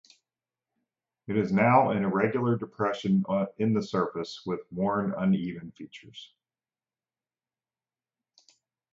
It is now an irregular depression in the surface, with worn, uneven features.